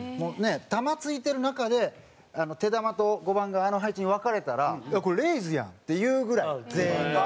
球撞いてる中で手球と５番があの配置に分かれたら「これレイズやん！」って言うぐらい全員が。